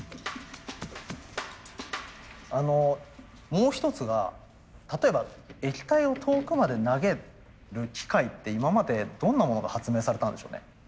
もう一つが例えば液体を遠くまで投げる機械って今までどんなものが発明されたんでしょうね。